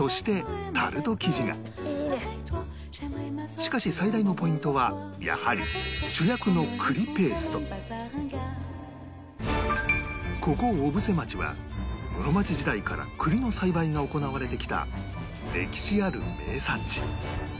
しかし最大のポイントはやはり主役のここ小布施町は室町時代から栗の栽培が行われてきた歴史ある名産地